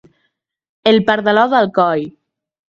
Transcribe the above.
El pardalot d'Alcoi.